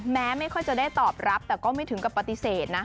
ไม่ค่อยจะได้ตอบรับแต่ก็ไม่ถึงกับปฏิเสธนะ